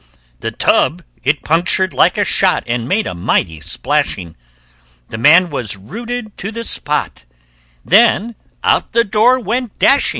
The tub it punctured like a shot And made a mighty splashing. The man was rooted to the spot; Then out the door went dashing.